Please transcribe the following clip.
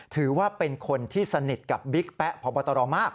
ถือว่าเป็นคนที่สนิทกับบิ๊กแป๊ะพบตรมาก